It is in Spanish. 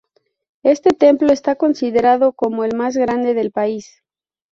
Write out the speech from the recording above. Este templo está considerado como el más grande del país.